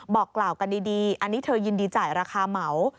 บอกกล่าวกันดีอันนี้เธอยินดีจ่ายราคาเหมา